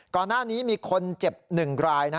ก่อนหน้านี้มีคนเจ็บ๑ราย